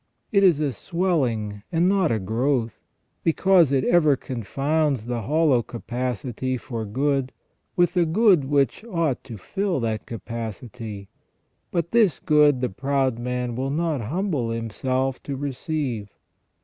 It is a swelling and not a growth, because it ever confounds the hollow capacity for good with the good which ought to fill that capacity, but this good the proud man will not humble himself to receive.